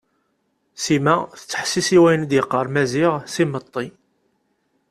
Sima tettḥessis i wayen d-yeqqar Maziɣ s imeṭṭi.